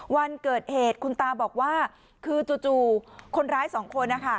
วันเกิดเหตุคุณตาบอกว่าคือจู่คนร้ายสองคนนะคะ